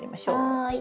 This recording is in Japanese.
はい。